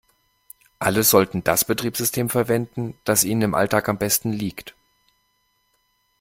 Alle sollten das Betriebssystem verwenden, das ihnen im Alltag am besten liegt.